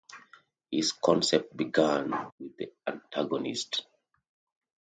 His concept began with the antagonist.